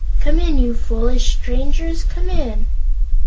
Come in, you foolish strangers; come in!"